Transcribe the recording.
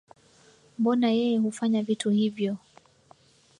Mbona yeye hufanya vitu hivyo?